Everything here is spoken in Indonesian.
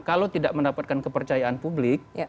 kalau tidak mendapatkan kepercayaan publik